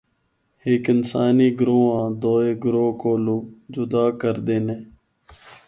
ہک انسانی گروہ آں دوہے گروہ کولوں جدا کردے نے۔